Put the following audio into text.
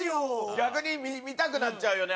逆に見たくなっちゃうよね